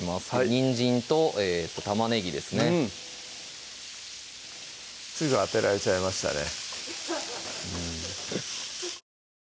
にんじんと玉ねぎですねすぐ当てられちゃいましたね